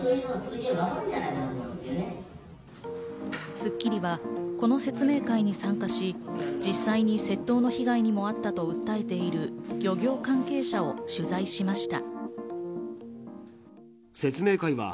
『スッキリ』はこの説明会に参加し、実際に窃盗の被害に遭ったと訴えている漁協関係者を取材しました。